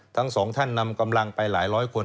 ทั้งสองท่านนำกำลังไปหลายร้อยคน